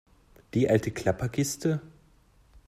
Die alte Klapperkiste?